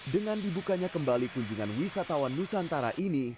dengan dibukanya kembali kunjungan wisatawan nusantara ini